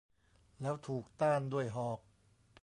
แล้วถูกต้านด้วยหอก !